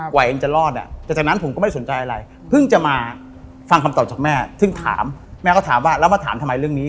เอ็นจะรอดอ่ะแต่จากนั้นผมก็ไม่สนใจอะไรเพิ่งจะมาฟังคำตอบจากแม่ซึ่งถามแม่ก็ถามว่าแล้วมาถามทำไมเรื่องนี้